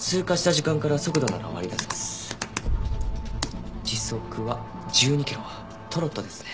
時速は１２キロトロットですね。